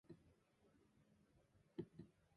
His statues were acroliths.